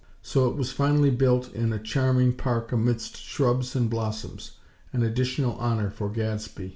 So it was finally built in a charming park amidst shrubs and blossoms; an additional honor for Gadsby.